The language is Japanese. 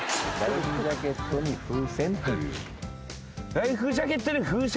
ライフジャケットに風船？